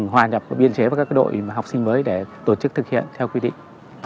hòa nhập biên chế với các đội học sinh mới để tổ chức thực hiện theo quy định